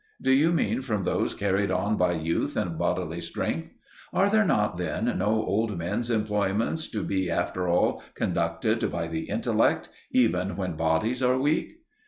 Do you mean from those carried on by youth and bodily strength? Are there then no old men's employments to be after all conducted by the intellect, even when bodies are weak?